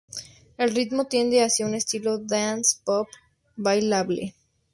El ritmo tiende hacia un estilo dance pop bailable.